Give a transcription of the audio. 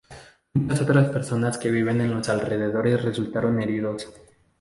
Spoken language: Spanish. Muchas otras personas que viven en los alrededores resultaron heridos.